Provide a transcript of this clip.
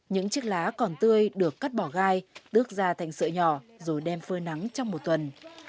những chiếc lá còn tươi được cắt bỏ gai tước ra thành sợi nhỏ rồi đem phơi nắng trong một tuần